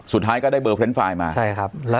สุดท้ายก็ได้บินเกี่ยว